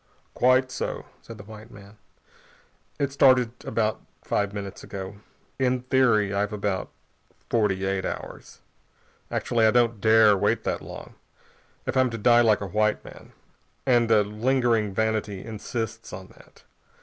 "Quite so," said the white man. "It started about five minutes ago. In theory, I've about forty eight hours. Actually, I don't dare wait that long, if I'm to die like a white man. And a lingering vanity insists on that.